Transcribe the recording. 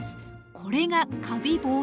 これがかび防止。